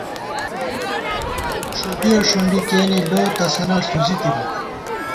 مونی ݭُدِیَہ ݭُنڈی کېنے لو تسَنہ ݪُزِی تِبہ